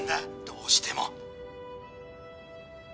どうしても。